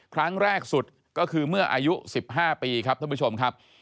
ครั้งแรกสุดก็คือเมื่ออายุ๑๕ปีครับท่านผู้ชมครับ